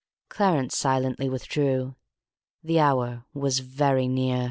Clarence silently withdrew. The hour was very near.